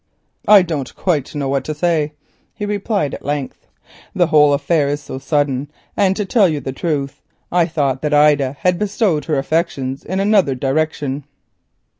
"I don't quite know what to say," he replied at length. "The whole affair is so sudden—and to tell you the truth, I thought that Ida had bestowed her affections in another direction."